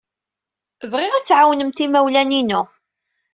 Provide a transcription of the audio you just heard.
Bɣiɣ ad tɛawnemt imawlan-inu.